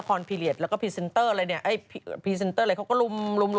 คือจะมีเวลาพอดีดู